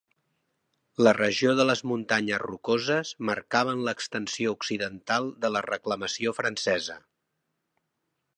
La regió de les Muntanyes Rocoses marcaven l'extensió occidental de la reclamació francesa.